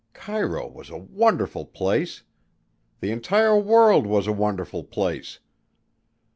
Cairo was a wonderful place! The entire world was a wonderful place!